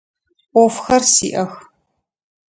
Ӏофхэр сиӏэх.